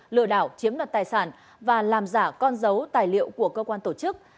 lừa đảo chiếm đoạt tài sản và làm giả con dấu tài liệu của cơ quan tổ chức